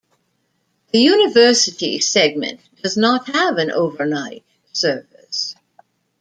The University segment does not have an overnight service.